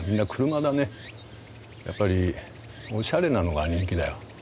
やっぱりおしゃれなのが人気だよ。